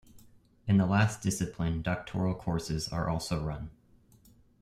In the last discipline doctoral courses are also run.